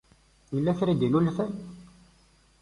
Yella kra i d-innulfan?